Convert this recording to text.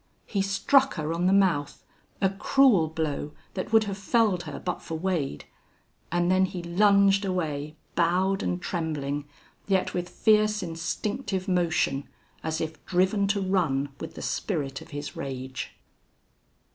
He struck her on the mouth, a cruel blow that would have felled her but for Wade: and then he lunged away, bowed and trembling, yet with fierce, instinctive motion, as if driven to run with the spirit of his rage.